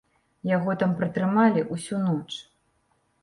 Яго там пратрымалі ўсю ноч.